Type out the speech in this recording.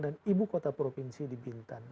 dan ibu kota provinsi di bintan